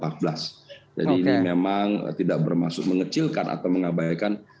ini memang tidak bermaksud mengecilkan atau mengabaikan